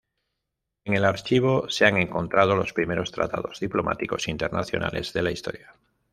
En el archivo se han encontrado los primeros tratados diplomáticos internacionales de la historia.